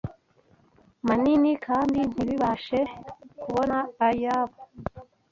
manini, kandi ntibabashe kubona ayabo.